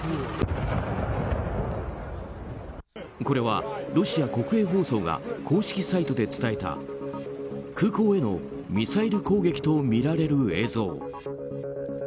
これは、ロシア国営放送が公式サイトで伝えた空港へのミサイル攻撃とみられる映像。